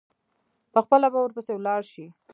پخپله به ورپسي ولاړ شي.